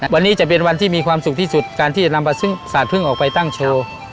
วันนี้จะเป็นวันที่มีความสุขที่สุดการที่จะนำสาดพึ่งออกไปตั้งโชว์